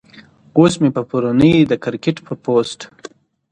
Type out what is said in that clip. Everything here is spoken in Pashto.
اوس مې پۀ پروني د کرکټ پۀ پوسټ